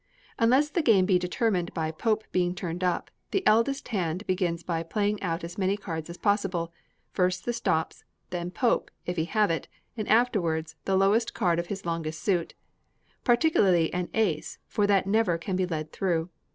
Unless the game be determined by Pope being turned up, the eldest hand begins by playing out as many cards as possible; first the stops, then Pope, if he have it, and afterwards the lowest card of his longest suit particularly an ace, for that never can be led through.